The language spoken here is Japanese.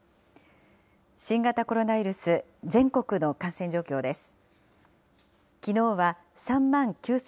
新型コロナウイルス、全国の感染状況です。